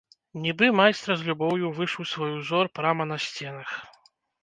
Нібы майстра з любоўю вышыў свой узор прама па сценах.